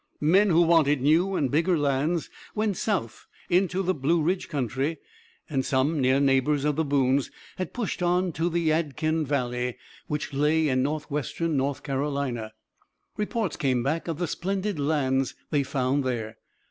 Men who wanted new and bigger lands went south into the Blue Ridge country, and some near neighbors of the Boones had pushed on to the Yadkin Valley which lay in northwestern North Carolina. Reports came back of the splendid lands they found there.